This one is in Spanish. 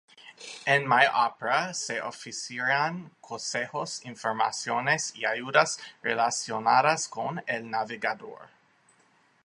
En My Opera se ofrecían consejos, informaciones y ayudas relacionadas con el navegador.